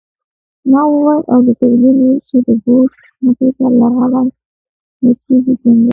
ما وويل او د کرزي لور چې د بوش مخې ته لغړه نڅېږي څنګه.